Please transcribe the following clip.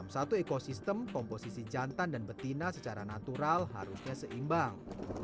satu ekosistem komposisi jantan dan betina secara natural harusnya seimbang